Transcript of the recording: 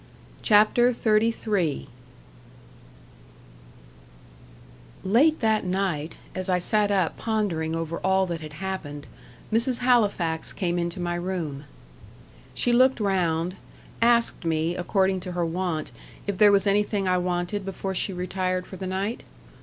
CHAPTER XXXIII Late that night, as I sat up pondering over all that had happened, Mrs. Halifax came into my room. She looked round; asked me, according to her wont, if there was anything I wanted before she retired for the night?